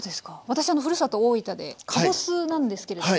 私あのふるさと大分でかぼすなんですけれども。